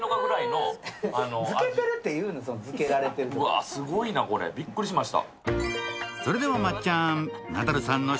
わぁ、すごいなこれ、びっくりしました